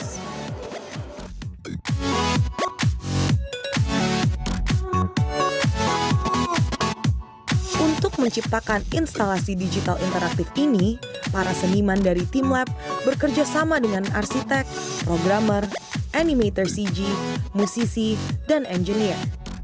untuk menciptakan instalasi digital interaktif ini para seniman dari tim lab bekerja sama dengan arsitek programmer animator cg musisi dan engineer